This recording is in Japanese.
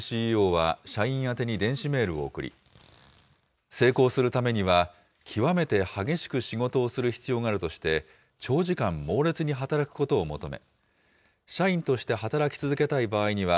ＣＥＯは社員宛に電子メールを送り、成功するためには、極めて激しく仕事をする必要があるとして、長時間猛烈に働くことを求め、社員として働き続けたい場合には、